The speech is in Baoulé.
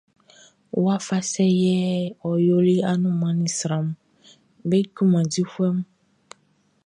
Wafa sɛ yɛ ɔ yoli annunman ni sranʼm be junman difuɛ mun?